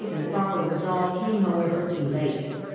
175 and proper resolve came, however, too late.